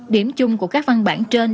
điểm chung của các văn bản trên